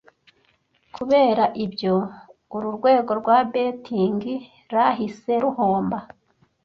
Kubera ibyo, uru rwego rwa 'betting' rahise ruhomba